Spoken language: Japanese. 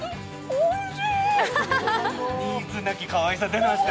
おいしい！